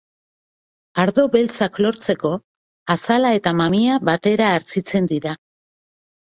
Ardo beltzak lortzeko azala eta mamia batera hartzitzen dira.